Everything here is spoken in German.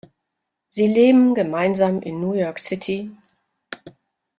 Sie leben gemeinsam in New York City.